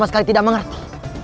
aku sekali tidak mengerti